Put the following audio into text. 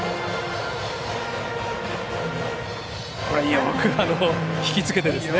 よく引き付けてますね。